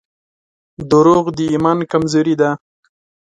• دروغ د ایمان کمزوري ده.